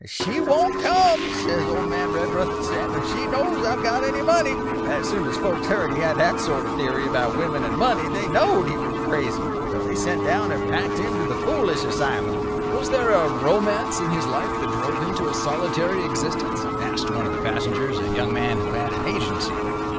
'She won't come,' says old man Redruth to Sam, 'if she knows I've got any money.' "As soon as folks heard he had that sort of a theory about women and money they knowed he was crazy; so they sent down and packed him to the foolish asylum." "Was there a romance in his life that drove him to a solitary existence?" asked one of the passengers, a young man who had an Agency.